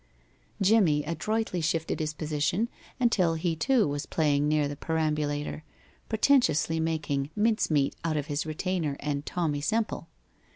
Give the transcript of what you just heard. Jimmie adroitly shifted his position until he too was playing near the perambulator, pretentiously making mince meat out of his retainer and Tommie Semple.